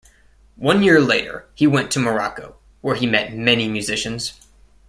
One year later, he went to Morocco, where he met many musicians.